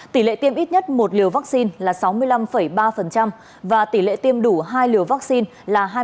tỷ lệ tiêm ít nhất một liều vaccine là sáu mươi năm ba và tỷ lệ tiêm đủ hai liều vaccine là hai mươi sáu dân